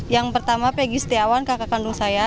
yang pertama peggy setiawan kakak kandung saya